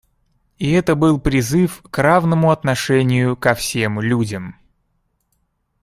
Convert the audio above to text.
И это был призыв к равному отношению ко всем людям.